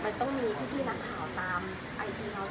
มันต้องมีพี่นักข่าวตามไอจีเรา